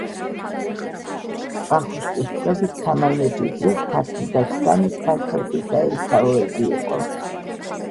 ვახუშტის ცნობით, თამარ მეფის დროს ქართლი და ქსანი ცალ-ცალკე საერისთავოები იყო.